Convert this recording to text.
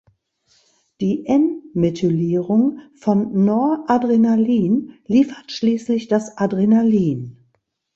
Die "N"-Methylierung von Noradrenalin liefert schließlich das Adrenalin.